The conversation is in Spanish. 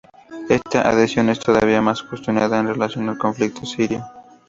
Esta adhesión es todavía más cuestionada en relación al conflicto sirio.